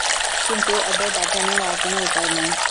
কিন্তু ওদের বাঁচানোর আর কোন উপায় নেই।